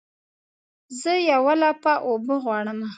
زه یوه لپه اوبه غواړمه